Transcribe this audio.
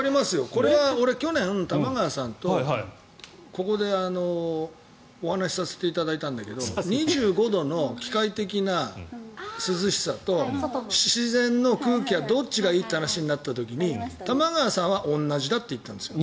これは去年、玉川さんとここでお話しさせていただいたんですけど２５度の機械的な涼しさと自然の空気はどっちがいいという話になった時に玉川さんは同じだって言ったんですよ。